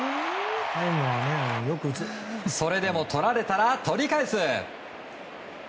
それでも、取られたら取り返す！